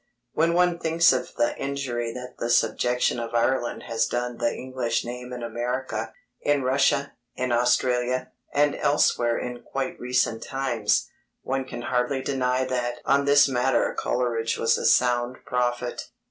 When one thinks of the injury that the subjection of Ireland has done the English name in America, in Russia, in Australia, and elsewhere in quite recent times, one can hardly deny that on this matter Coleridge was a sound prophet.